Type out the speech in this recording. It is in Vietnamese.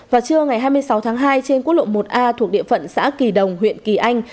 vào trưa ngày hai mươi sáu tháng hai trên quốc lộ một a thuộc địa phận xã kỳ đồng huyện kỳ anh